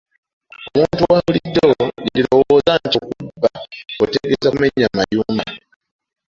Omuntu wa bulijjo yandirowooza nti okubba otegeeza kumenya mayumba.